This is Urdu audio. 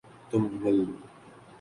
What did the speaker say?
تمل